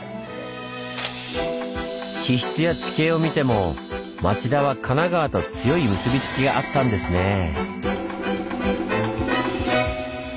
地質や地形を見ても町田は神奈川と強い結びつきがあったんですねぇ。